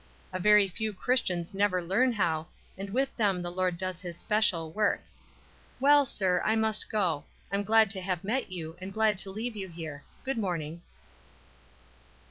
A very few Christians never learn how, and with them the Lord does his special work. Well, sir; I must go. I'm glad to have met you, and glad to leave you here. Good morning!"